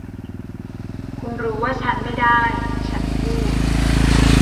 คุณรู้ว่าฉันไม่ได้ ฉันพูด